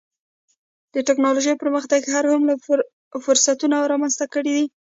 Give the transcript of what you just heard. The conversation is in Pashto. د ټکنالوجۍ پرمختګ د هر عمر لپاره فرصتونه رامنځته کړي دي.